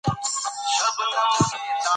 ازادي راډیو د اداري فساد کیسې وړاندې کړي.